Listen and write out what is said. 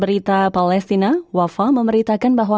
berita palestina wafa memberitakan bahwa